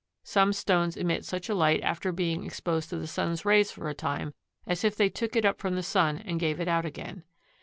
Some stones emit such a light after being exposed to the sun's rays for a time, as if they took it up from the sun and gave it out again.